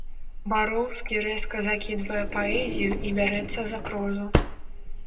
Бароўскі рэзка закідвае паэзію і бярэцца за прозу.